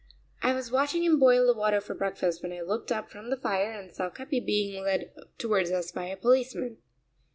I was watching him boil the water for breakfast when I looked up from the fire and saw Capi being led towards us by a policeman.